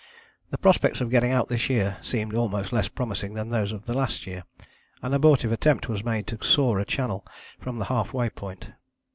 The prospects of getting out this year seeming almost less promising than those of the last year, an abortive attempt was made to saw a channel from a half way point.